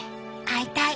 会いたい